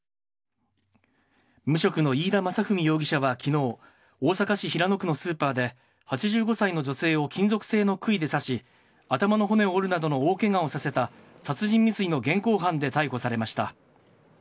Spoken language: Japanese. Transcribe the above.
無職の飯田雅史容疑者はきのう、大阪市平野区のスーパーで、８５歳の女性を金属製のくいで刺し、頭の骨を折るなどの大けがをさせた、殺人未遂の現行犯で逮捕されました。